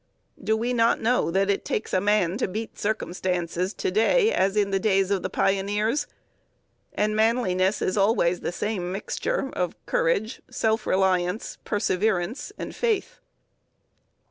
Do we not know that it takes a man to beat circumstances, to day as in the days of the pioneers? And manliness is always the same mixture of courage, self reliance, perseverance, and faith.